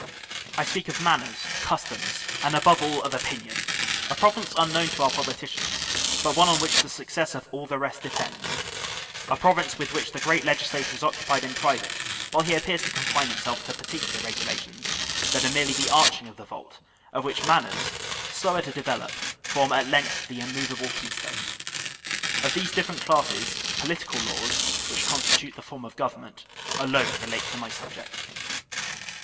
I speak of manners, customs, and above all of opinion — a province unknown to our politicians, but one on which the success of all the rest depends; a province with which the great legislator is occupied in pri vate, while he appears to confine himself to particular regulations, that are merely the arching of the vault, of which manners, slower to develop, form at length the immovable keystone. Of these different classes, political laws, which consti tute the form of government, alone relate to my subject.